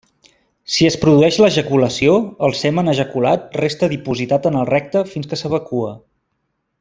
Si es produeix l'ejaculació, el semen ejaculat resta dipositat en el recte fins que s'evacua.